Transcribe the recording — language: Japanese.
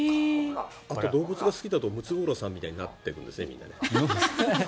あと、動物が好きだとムツゴロウさんみたいになっていくんですね、みんな。